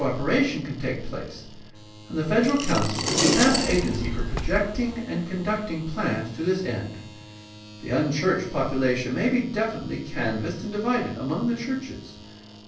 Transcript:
— There are many re spects in which actual co operation can take place, and the Federal Council is the best agency for projecting and conduct ing plans to this end. The unchurched population may be definitely canvassed and divided among the churches.